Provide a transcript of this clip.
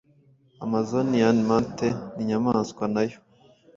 amazonian manatee ninyamaswa nayo